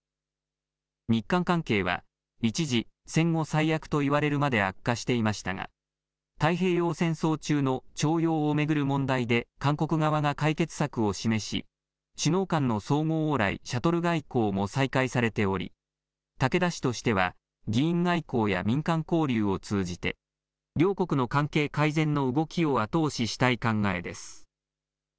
日韓関係は一時戦後最悪といわれるまで悪化していましたが太平洋戦争中の徴用を巡る問題で韓国側が解決策を示し首脳間の相互往来シャトル外交も再開されており武田氏としては議員外交や民間交流を通じて両国の関係改善の動きを後押ししたい考えです。